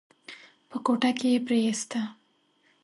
په کوټه کې يې پريېسته.